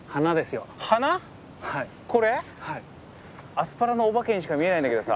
アスパラのお化けにしか見えないんだけどさ